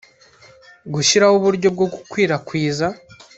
gushyiraho uburyo bwo gukwirakwiza